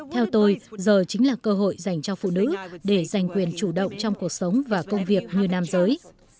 theo tôi giờ chính là cơ hội dành cho phụ nữ để giành quyền chủ động trong cuộc sống và công việc như nam giới